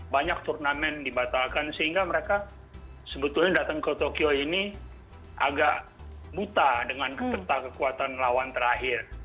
banyak turnamen dibatalkan sehingga mereka sebetulnya datang ke tokyo ini agak buta dengan kekuatan lawan terakhir